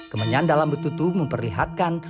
kemenyan dalam petutu memperlihatkan